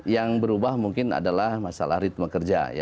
yang berubah mungkin adalah masalah ritme kerja